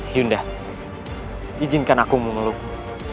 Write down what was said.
hyundai izinkan aku memelukmu